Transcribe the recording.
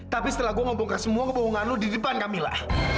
tapi setelah gue ngomongkan semua kebohongan lu di depan kamila